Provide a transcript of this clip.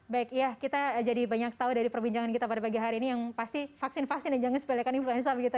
baik ya kita jadi banyak tahu dari perbincangan kita pada pagi hari ini yang pasti vaksin vaksin dan jangan sepelekan influenza begitu